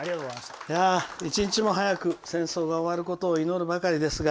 一日も早く戦争が終わることを祈るばかりですが。